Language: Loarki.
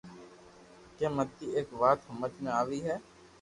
ڪي مني ايڪ وات ھمج ۾ آوي ھي